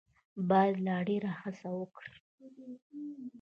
باید لا ډېره هڅه وکړي.